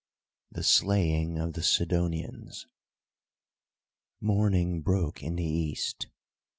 THE SLAYING OF THE SIDONIANS Morning broke in the East.